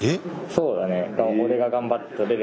そうだね。